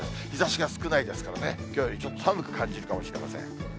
日ざしが少ないですからね、きょうよりちょっと寒く感じるかもしれません。